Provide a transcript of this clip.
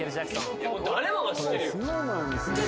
これ誰もが知ってるよ